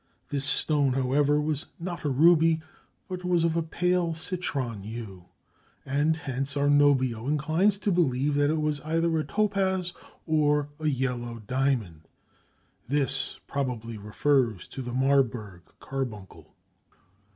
This stone, however, was not a ruby, but was of a pale citron hue, and hence Arnobio inclines to believe that it was either a topaz or a yellow diamond. This probably refers to the Marburg "carbuncle."